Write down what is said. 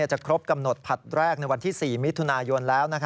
จะครบกำหนดผลัดแรกในวันที่๔มิถุนายนแล้ว